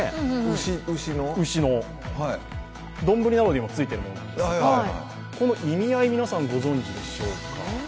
牛の、丼などにもついてるものなんですがこの意味合い、皆さんご存じでしょうか？